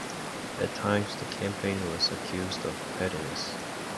At times the campaign was accused of pettiness.